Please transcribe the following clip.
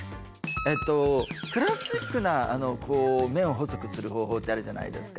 えっとクラシックなこう麺を細くする方法ってあるじゃないですか。